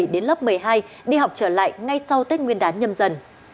đến lớp một mươi hai đi học trở lại ngay sau tết nguyên đán nhâm dần